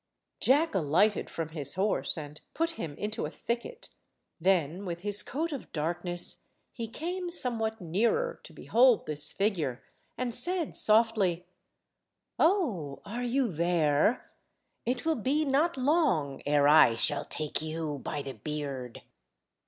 Jack alighted from his horse and put him into a thicket, then, with his coat of darkness, he came somewhat nearer to behold this figure, and said softly— "Oh! are you there? It will be not long e'er I shall take you by the beard."